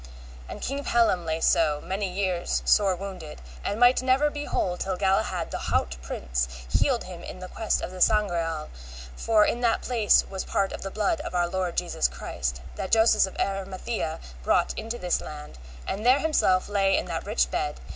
And King Pellam lay so, many years sore wounded, and might never be whole till Galahad the haut prince healed him in the quest of the Sangreal, for in that place was part of the blood of our Lord Jesus Christ, that Joseph of Arimathea brought into this land, and there himself lay in that rich bed.